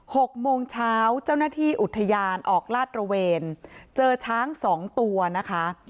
หกโมงเช้าเจ้าหน้าที่อุทยานออกลาดระเวนเจอช้างสองตัวนะคะ